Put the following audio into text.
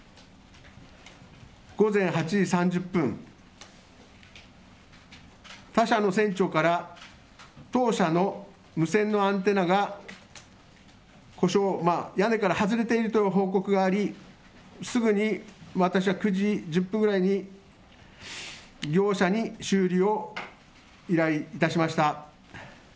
午前８時３０分、他社の船長から、当社の無線のアンテナが故障、屋根から外れているとの報告があり、すぐに、私は９時１０分ぐらいに業者に修理を依頼いたしました。